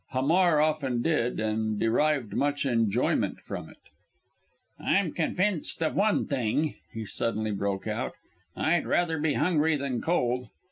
Hamar often did, and derived much enjoyment from it. "I'm convinced of one thing," he suddenly broke out; "I'd rather be hungry than cold.